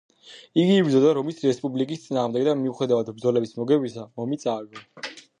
იგი იბრძოდა რომის რესპუბლიკის წინააღმდეგ და მიუხედავად ბრძოლების მოგებისა, ომი წააგო.